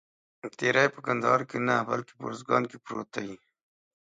تیری په کندهار کې نه بلکې په اوروزګان کې پروت دی.